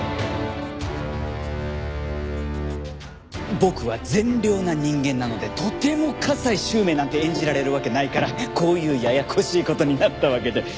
僕は善良な人間なのでとても加西周明なんて演じられるわけないからこういうややこしい事になったわけで。